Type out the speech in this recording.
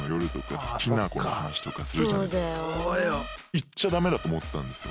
言っちゃダメだと思ってたんですよ